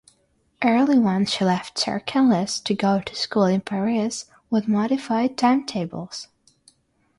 Early one she left Sarcelles to go to school in Paris with modified timetables.